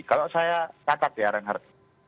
kalau saya katat ya renhard